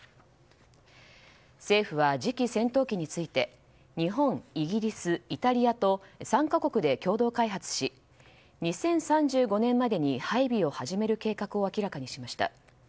政府は次期戦闘機について日本、イギリス、イタリアと３か国で共同開発し２０３５年までに配備を始める計画を明らかにしました。